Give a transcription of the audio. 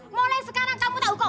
mulai sekarang kamu tak hukum